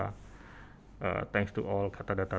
terima kasih kepada semua tim katadata